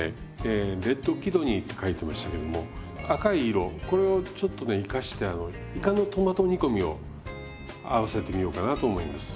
えレッドキドニーって書いてましたけども赤い色これをちょっとね生かしていかのトマト煮込みを合わせてみようかなと思います。